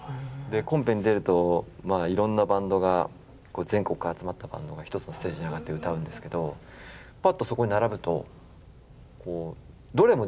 コンペに出るといろんなバンドが全国から集まったバンドが一つのステージに上がって歌うんですけどぱっとそこに並ぶとどれも同じというか